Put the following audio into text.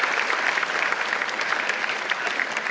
kepada seluruh kader pengurus